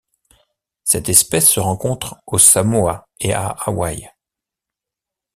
Cette espèce se rencontre aux Samoa et à Hawaï.